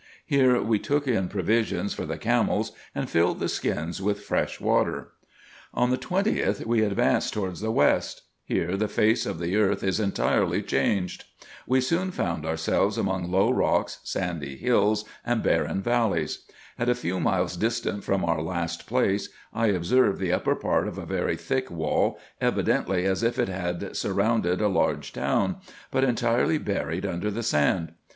Here we took in provision for the camels, and filled the skins with fresh water. On the 20th, we advanced towards the west : here the face of the earth is entirely changed. We soon found ourselves among low rocks, sandy hills, and barren valleys. At a few miles distant from our last place, I observed the upper part of a very thick wall, evidently as if it had surrounded a large town, but en tirely buried under the sand.